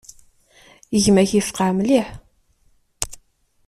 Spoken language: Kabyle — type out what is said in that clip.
Gma-k yefqeɛ mliḥ.